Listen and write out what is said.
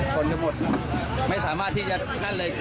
คนจะหมดไม่สามารถที่จะนั่นเลย